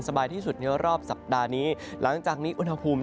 สบายที่สุดในรอบสัปดาห์นี้หลังจากนี้อุณหภูมิ